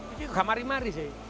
ini gak mari mari sih